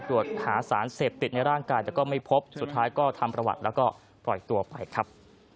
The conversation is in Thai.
ตรวจหาสารเสพติดในร่างกายแต่ก็ไม่พบสุดท้ายก็ทำประวัติแล้วก็ปล่อยตัวไปครับ